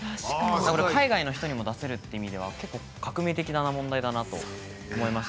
海外の人にも出せるということでいうと革命的な問題だと思います。